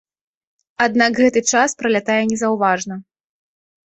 Аднак гэты час пралятае незаўважна.